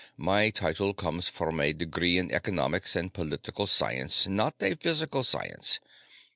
"My title comes from a degree in economics and political science, not in physical science.